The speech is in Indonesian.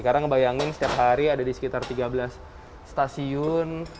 karena bayangin setiap hari ada di sekitar tiga belas stasiun